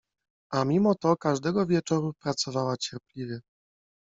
A mimo to każdego wieczoru pracowała cierpliwie.